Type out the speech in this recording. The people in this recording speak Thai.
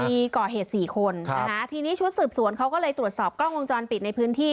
มีก่อเหตุสี่คนนะคะทีนี้ชุดสืบสวนเขาก็เลยตรวจสอบกล้องวงจรปิดในพื้นที่